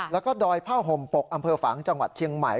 แล้วก็ดอยผ้าห่มปกอำเภอฝังจังหวัดเชียงใหม่